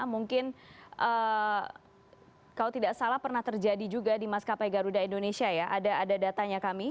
mungkin kalau tidak salah pernah terjadi juga di maskapai garuda indonesia ya ada datanya kami